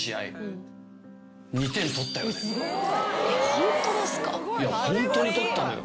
ホントですか？